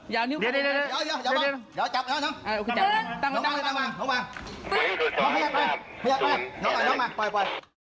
เยาะนี่ไหมใจเยาะ